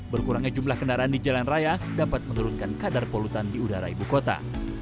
berkurangnya jumlah kendaraan di jalan raya dapat menurunkan kadar polutan di udara ibu kota